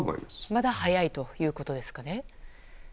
まだ早いということですかね。